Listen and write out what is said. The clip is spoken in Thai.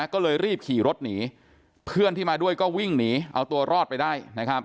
ก็เลยรีบขี่รถหนีเพื่อนที่มาด้วยก็วิ่งหนีเอาตัวรอดไปได้